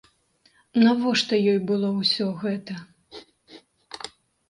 Навошта ёй было ўсё гэта?